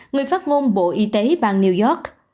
người phát ngôn bộ y tế bang new york